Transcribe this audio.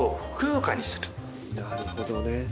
なるほどね。